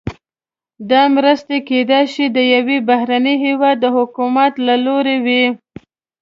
دا مرستې کیدای شي د یو بهرني هیواد د حکومت له لوري وي.